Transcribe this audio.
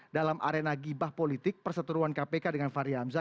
dalam arena gibah politik perseteruan kpk dengan fahri hamzah